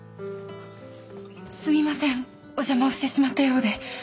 すみませんお邪魔をしてしまったようで。